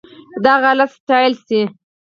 دغه حالت ستايل شي.